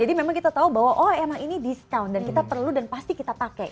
memang kita tahu bahwa oh emang ini discount dan kita perlu dan pasti kita pakai